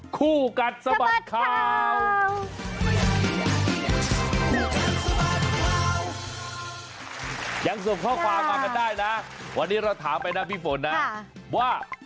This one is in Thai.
คู่กัดสะบัดข่าว